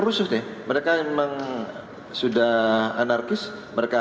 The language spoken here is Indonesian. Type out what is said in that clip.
misalnya b pricing misalnya